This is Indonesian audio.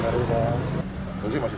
maksudnya masih sakit